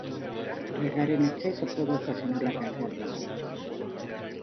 Regar en exceso puede ocasionar la caída de las hojas.